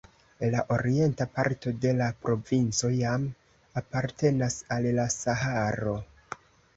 La orienta parto de la provinco jam apartenas al la Saharo.